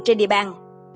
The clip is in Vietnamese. trên địa bàn